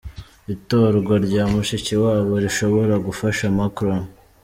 Itorwa rya Mushikiwabo rishobora gufasha Macron?.